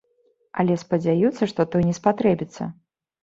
Але спадзяюцца, што той не спатрэбіцца.